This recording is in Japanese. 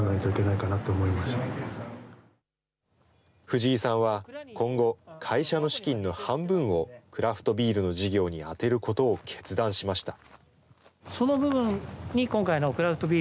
藤居さんは今後、会社の資金の半分をクラフトビールの事業に充てることを決断しました。